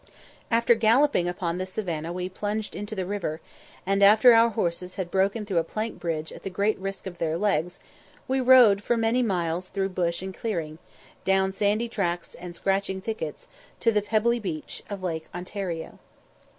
After galloping upon this savannah we plunged into the river, and, after our horses had broken through a plank bridge at the great risk of their legs, we rode for many miles through bush and clearing, down sandy tracks and scratching thickets, to the pebbly beach of Lake Ontario.